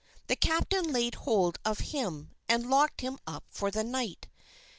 The Captain laid hold of him, and locked him up for the night.